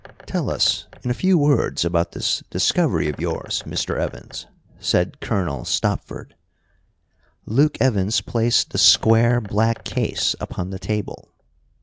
"Tell us in a few words about this discovery of yours, Mr. Evans," said Colonel Stopford. Luke Evans placed the square black case upon the table.